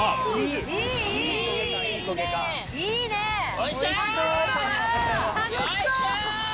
よいしょ！